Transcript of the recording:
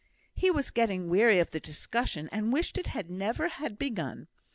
He was getting weary of the discussion, and wished it had never been begun.